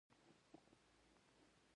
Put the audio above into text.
عباسي خلیفه منصور له ده ویره درلوده.